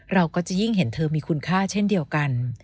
เราก็จะยิ่งเห็นเธอมีคุณค่าเช่นเดียวกัน